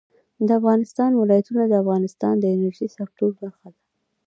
د افغانستان ولايتونه د افغانستان د انرژۍ سکتور برخه ده.